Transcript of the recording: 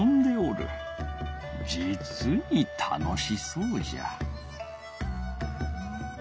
じつに楽しそうじゃ。